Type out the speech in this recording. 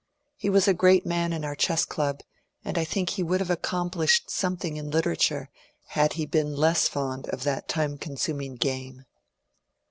He was a great man in our Chess Club, and I think he would have accomplished something in literature had he been less fond of that time consmning game.